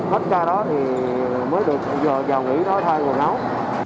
hết ca đó thì mới được giờ nghỉ đó thay người nóng